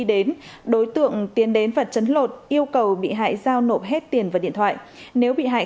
đến đối tượng tiến đến và chấn lột yêu cầu bị hại giao nộp hết tiền và điện thoại nếu bị hại